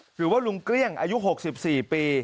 หรือว่าลุงเกลี้ยงอายุ๖๔ปี